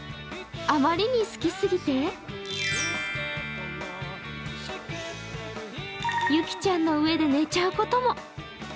あまりに好きすぎて、ユキちゃんの上で寝ちゃうことも。